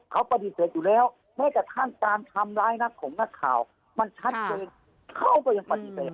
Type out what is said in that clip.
เขาปฏิเสธอยู่แล้วแม้กระทั่งการทำร้ายนักของนักข่าวมันชัดเจนเขาก็ยังปฏิเสธ